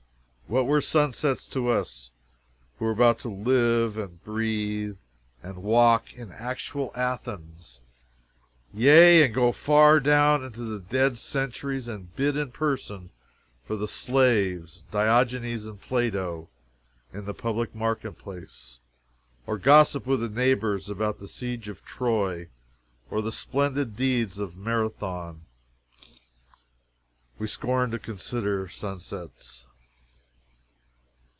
What were sunsets to us, who were about to live and breathe and walk in actual Athens; yea, and go far down into the dead centuries and bid in person for the slaves, Diogenes and Plato, in the public market place, or gossip with the neighbors about the siege of Troy or the splendid deeds of Marathon? We scorned to consider sunsets.